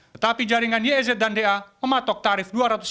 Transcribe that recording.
tetapi jaringan iez dan da mematok tarif rp dua ratus lima puluh per dosis